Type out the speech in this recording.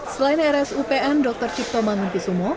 selain rs upn dr ciptoman dan kesomo